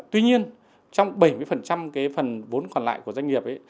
tuy nhiên trong bảy mươi cái phần vốn còn lại của doanh nghiệp